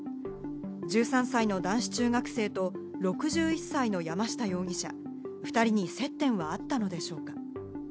１３歳の男子中学生と６１歳の山下容疑者、２人に接点はあったのでしょうか？